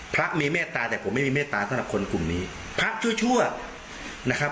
พระมีเมตตาแต่ผมไม่มีเมตตาสำหรับคนกลุ่มนี้พระชั่วชั่วนะครับ